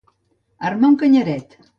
Armar un canyaret.